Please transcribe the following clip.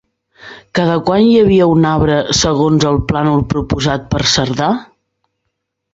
Cada quant hi havia un arbre segons el plànol proposat per Cerdà?